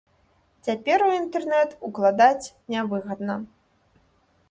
Цяпер у інтэрнэт укладаць нявыгадна.